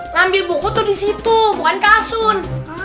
ngambil buku tuh disitu bukan kak asun